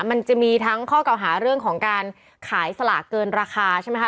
มันจะมีทั้งข้อเก่าหาเรื่องของการขายสลากเกินราคาใช่ไหมคะ